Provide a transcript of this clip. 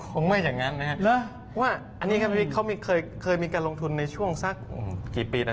คงไม่อย่างนั้นนะครับว่าอันนี้ครับพี่เขาเคยมีการลงทุนในช่วงสักกี่ปีนะ